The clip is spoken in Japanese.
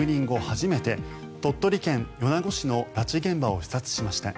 初めて鳥取県米子市の拉致現場を視察しました。